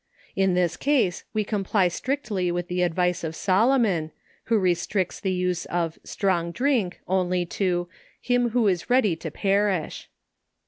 In this case we comply strictly with the advice of Solo mon, who restricts the use of « strong drink" only « to him who is ready to perish."